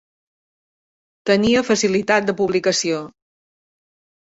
Tenia facilitat de publicació.